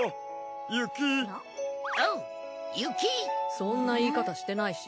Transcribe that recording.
そんな言い方してないし。